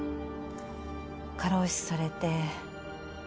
過労死されて。